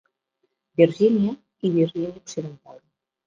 Virgínia i Virgínia Occidental.